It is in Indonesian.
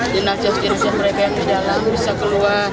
jenajah jenajah mereka yang di dalam bisa keluar